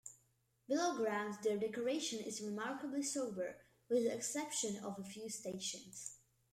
Below ground their decoration is remarkably sober, with the exception of a few stations.